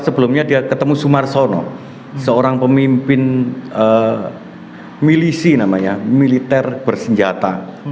sebelumnya dia ketemu sumarsono seorang pemimpin milisi namanya militer bersenjata